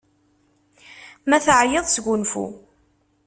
Ma teɛyiḍ, sgunfu!